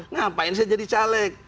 ngapain saya jadi caleg